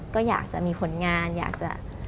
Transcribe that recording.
ก็อยากจะมีผลงาน